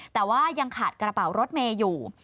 แต่ว่ายังขาดกระเป๋ารถเมย์อยู่